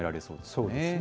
そうですね。